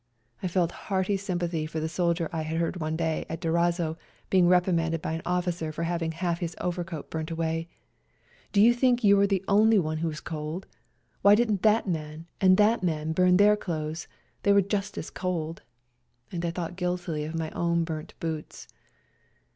I felt hearty sympathy for a soldier I heard one day in Durazzo being reprimanded by an officer for having half his overcoat bm^ nt away —" Do you think you were the only one who was cold ? Why didn't that man and that man burn their clothes? they were just as cold," and I thought guiltily of my own burnt boots.